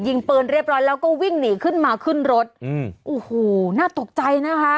ยิงปืนเรียบร้อยแล้วก็วิ่งหนีขึ้นมาขึ้นรถอืมโอ้โหน่าตกใจนะคะ